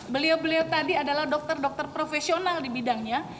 beliau beliau tadi adalah dokter dokter profesional di bidangnya